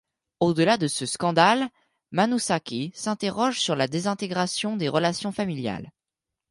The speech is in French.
Au delà de ce petit scandale, Manoussákis s'interroge sur la désintégration des relations familiales.